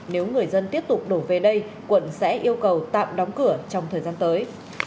nếu người dân tiếp tục đổ về đây quận sẽ yêu cầu tạm đóng cửa trong thời gian tới